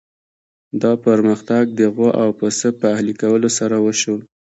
دا پرمختګ د غوا او پسه په اهلي کولو سره وشو.